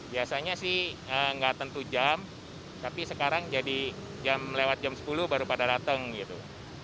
biasanya sih nggak tentu jam tapi sekarang jadi jam lewat jam sepuluh baru pada datang gitu